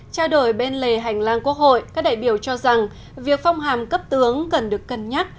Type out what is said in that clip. trao đổi bên lề hành lang quốc hội các đại biểu cho rằng việc phong hàm cấp tướng cần được cân nhắc